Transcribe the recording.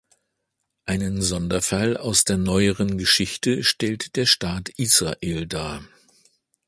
Einen Sonderfall aus der neueren Geschichte stellt der Staat Israel dar.